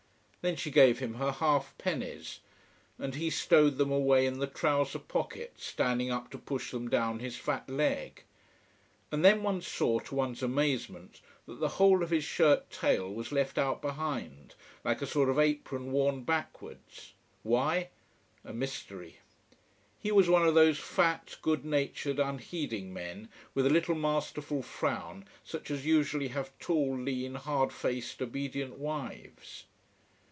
Then she gave him her half pennies. And he stowed them away in the trouser pocket, standing up to push them down his fat leg. And then one saw, to one's amazement, that the whole of his shirt tail was left out behind, like a sort of apron worn backwards. Why a mystery. He was one of those fat, good natured, unheeding men with a little masterful frown, such as usually have tall, lean, hard faced, obedient wives.